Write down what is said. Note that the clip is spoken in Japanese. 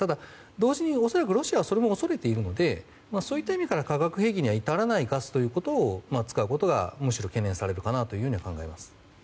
同時にロシアはそれを恐れているのでそういった意味から化学兵器には至らないガスを使うことが、むしろ懸念されるかなと考えます。